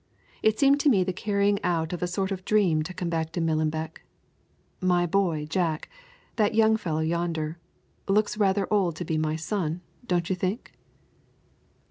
It seemed to me the carrying out of a sort of dream to come back to Millenbeck. My boy Jack that young fellow yonder looks rather old to be my son, don't you think?"